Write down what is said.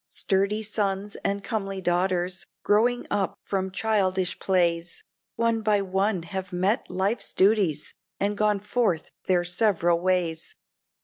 Sturdy sons and comely daughters, growing up from childish plays, One by one have met life's duties, and gone forth their several ways.